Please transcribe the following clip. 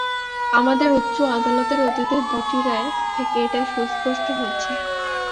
আমাদের উচ্চ আদালতের অতীতের দুটি রায় থেকে এটি সুস্পষ্ট হয়েছে।